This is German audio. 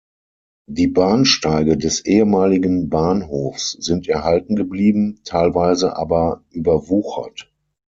Die Bahnsteige des ehemaligen Bahnhofs sind erhalten geblieben, teilweise aber überwuchert.